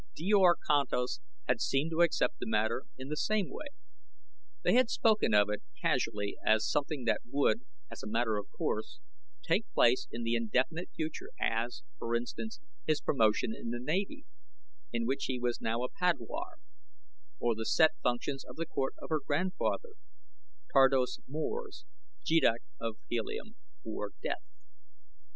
Djor Kantos had seemed to accept the matter in the same way. They had spoken of it casually as something that would, as a matter of course, take place in the indefinite future, as, for instance, his promotion in the navy, in which he was now a padwar; or the set functions of the court of her grandfather, Tardos Mors, Jeddak of Helium; or Death.